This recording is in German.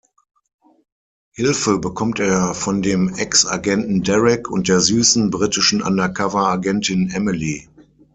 Hilfe bekommt er von dem Ex-Agenten Derek und der süßen, britischen Undercover-Agentin Emily.